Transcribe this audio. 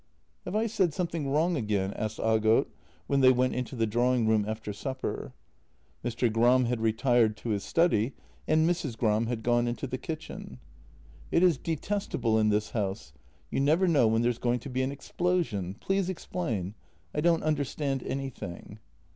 " Have I said something wrong again? " asked Aagot when they went into the drawing room after supper. Mr. Gram had retired to his study and Mrs. Gram had gone into the kitchen. " It is detestable in this house. You never know when there's going to be an explosion. Please explain. I don't understand anything."